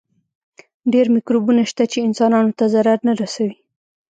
ډېر مکروبونه شته چې انسانانو ته ضرر نه رسوي.